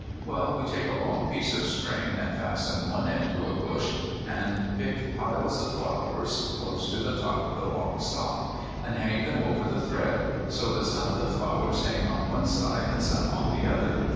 Well, we take a long piece of string and fasten one end to a bush, and pick piles of flowers close to the top of the long stalk and hang them over the thread, so that some of the flowers hang on one side and some on the other.